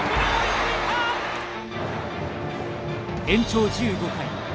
延長１５回。